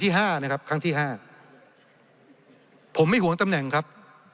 วันที่๕ครั้งที่๕ผมไม่ห่วงตำแหน่งครับ